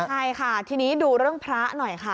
ใช่ค่ะทีนี้ดูเรื่องพระหน่อยค่ะ